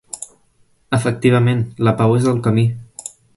Efectivament, la pau és el camí.